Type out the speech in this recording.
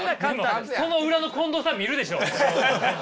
その裏の近藤さん見るでしょう多分。